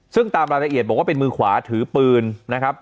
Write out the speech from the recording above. ซึ่งตามรายละเอียดบอกว่าเป็นมือขวาถือปืนนะครับ